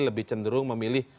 lebih cenderung memilih